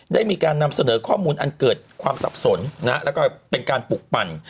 ได้มีการนำเสนอข้อมูลอันเกิดความสับสนแล้วก็เป็นการปลุกปั่น